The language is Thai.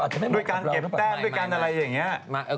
ด้วยการเก็บแต้มด้วยกันอะไรอย่างนี้